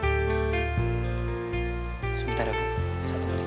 jam besuknya sudah habis silahkan keluar